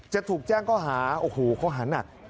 จะถูกแจ้งข้อหาโอ้โหข้อหานัก